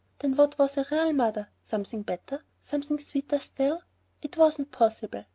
Then what was a real mother? Something better, something sweeter still? It wasn't possible!